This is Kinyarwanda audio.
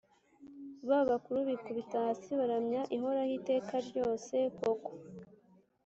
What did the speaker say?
Ba bakuru bikubita hasi baramya Ihoraho iteka ryose!koko,